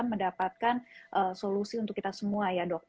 mendapatkan solusi untuk kita semua